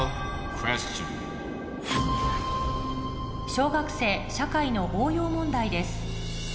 小学生社会の応用問題です